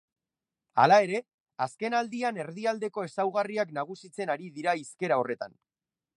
Hala ere, azkenaldian erdialdeko ezaugarriak nagusitzen ari dira hizkera horretan.